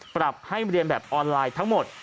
ปรับให้เรียนแบบออนไลน์ทั้งหมด